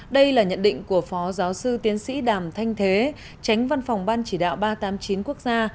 đây là nhận định của phó giáo sư tiến sĩ đàm thanh thế tránh văn phòng ban chỉ đạo ba trăm tám mươi chín quốc gia